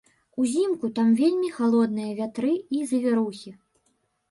Узімку там вельмі халодныя вятры і завірухі.